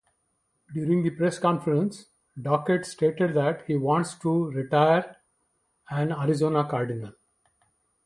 During the press conference, Dockett stated that he wants to "retire an Arizona Cardinal".